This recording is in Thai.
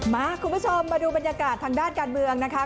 คุณผู้ชมมาดูบรรยากาศทางด้านการเมืองนะคะ